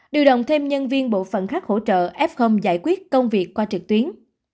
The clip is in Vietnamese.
điều động thêm nhân viên bộ phận khác hỗ trợ f giải quyết công việc qua trực tuyến